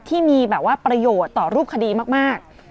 ที่มีประโยชน์ต่อรูปคดีมาก